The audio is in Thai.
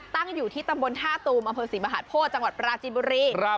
ตั้งอยู่ที่ตำบลท่าตูมอำเภอศรีมหาโพธิจังหวัดปราจีนบุรี